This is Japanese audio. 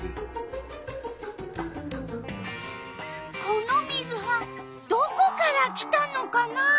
この水はどこから来たのかなあ？